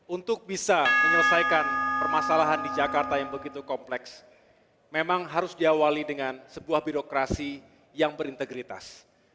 untuk bisa menyelesaikan permasalahan di jakarta yang begitu kompleks memang harus diawali dengan sebuah birokrasi yang berintegritas